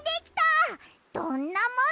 どんなもんだい！